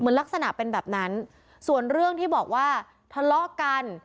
ลักษณะเป็นแบบนั้นส่วนเรื่องที่บอกว่าทะเลาะกัน